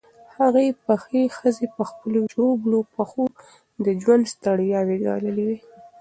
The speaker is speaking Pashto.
هغې پخې ښځې په خپلو ژوبلو پښو د ژوند ستړیاوې ګاللې وې.